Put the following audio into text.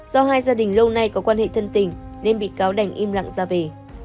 do hai gia đình lâu nay có quan hệ thân tình nên bị cáo đành im lặng ra về